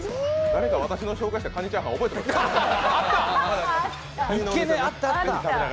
誰か私の紹介したかにチャーハン覚えてますか？